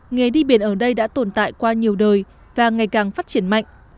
nghề đi biển ở đây đã tồn tại qua nhiều đời và ngày càng phát triển mạnh